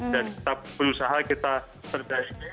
dan kita berusaha kita perbaiki